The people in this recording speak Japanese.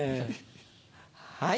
はい。